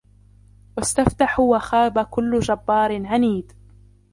وَاسْتَفْتَحُوا وَخَابَ كُلُّ جَبَّارٍ عَنِيدٍ